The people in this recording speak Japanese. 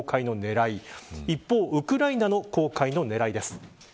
一方でウクライナの公開の狙いです。